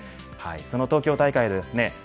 その東京大会でですね